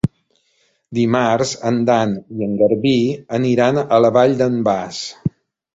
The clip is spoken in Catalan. Dimarts en Dan i en Garbí aniran a la Vall d'en Bas.